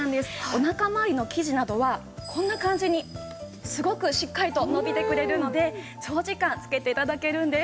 お腹まわりの生地などはこんな感じにすごくしっかりと伸びてくれるので長時間つけて頂けるんです。